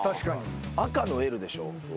赤のＬでしょ？